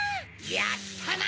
やったな！